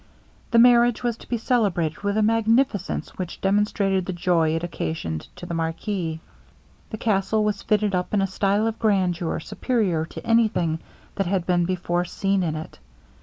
The marriage was to be celebrated with a magnificence which demonstrated the joy it occasioned to the marquis. The castle was fitted up in a style of grandeur superior to any thing that had been before seen in it.